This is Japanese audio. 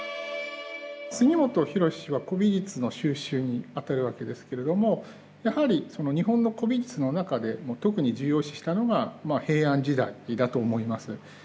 杉本博司は古美術の収集に当たるわけですけれどもやはりその日本の古美術の中で特に重要視したのが平安時代だと思います。